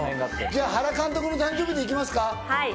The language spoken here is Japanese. じゃあ、原監督の誕生日で行きますか！